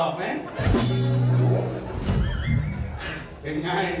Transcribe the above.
ดมตาย